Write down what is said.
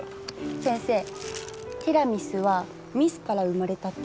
先生ティラミスはミスから生まれたって知ってる？